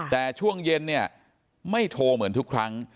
แต่ช่วงเย็นเนี่ยไม่โทรเหมือนทุกครั้ง